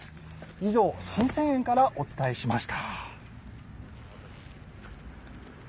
以上、神泉苑からお伝えしました。